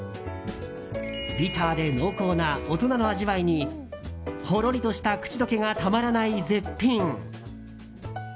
ビターで濃厚な大人の味わいにほろりとした口溶けがたまらない絶品。